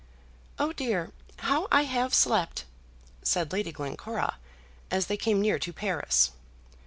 "Oh, dear! how I have slept!" said Lady Glencora, as they came near to Paris.